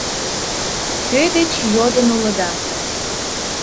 Кӧ деч йодын улыда?